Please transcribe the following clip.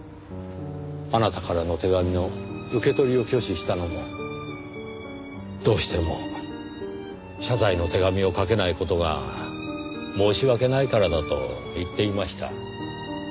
あなたからの手紙の受け取りを拒否したのもどうしても謝罪の手紙を書けない事が申し訳ないからだと言っていました。